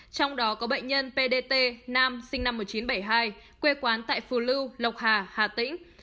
trong đó có bệnh nhân pdt nam sinh năm một nghìn chín trăm bảy mươi hai quê quán tại phù lưu lộc hà hà tĩnh